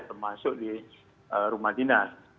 termasuk di rumah dinas